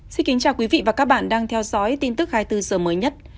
xin kính chào quý vị và các bạn đang theo dõi tin tức hai mươi bốn h mới nhất